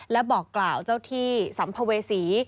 และบอกกล่าวเจ้าที่สัมภเวษี